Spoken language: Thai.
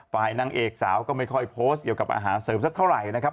นางเอกสาวก็ไม่ค่อยโพสต์เกี่ยวกับอาหารเสริมสักเท่าไหร่นะครับ